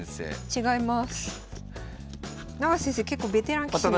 違います。